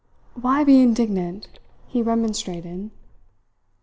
"Why be indignant?" he remonstrated.